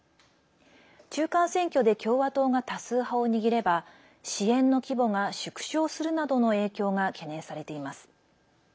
中間選挙で共和党が多数派を握れば支援の規模が縮小するなどの影響が懸念されています。